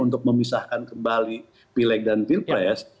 untuk memisahkan kembali pilek dan pilpres